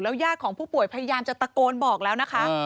ญาติของผู้ป่วยพยายามจะตะโกนบอกแล้วนะคะ